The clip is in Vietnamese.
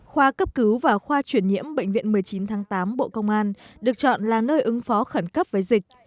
khoa cấp cứu và khoa chuyển nhiễm bệnh viện một mươi chín tháng tám bộ công an được chọn là nơi ứng phó khẩn cấp với dịch